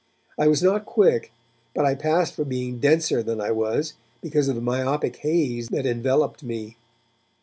I was not quick, but I passed for being denser than I was because of the myopic haze that enveloped me.